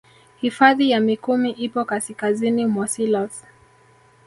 Hifadhi ya mikumi ipo kasikazini mwa selous